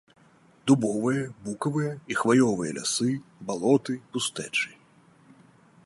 Дубовыя, букавыя і хваёвыя лясы, балоты, пустэчы.